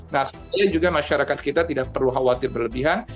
nah supaya juga masyarakat kita tidak perlu khawatir berlebihan